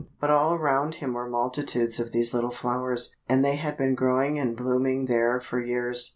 But all around him were multitudes of these little flowers, and they had been growing and blooming there for years.